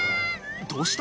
どうした？